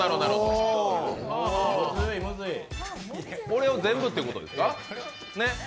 これを全部ということですか。